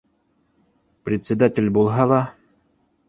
Председатель булһа ла